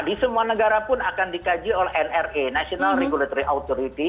di semua negara pun akan dikaji oleh nra national regulatory authority